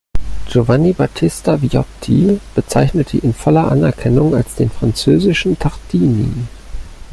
Giovanni Battista Viotti bezeichnete ihn voller Anerkennung als den „französischen Tartini“.